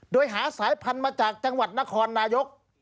โดยหาสายพันธุ์มาจากจังหวัดนครนายก